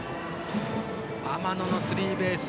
天野のスリーベース。